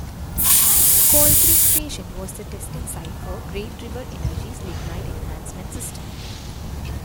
Coal Creek Station was the testing site for Great River Energy's Lignite Enhancement System.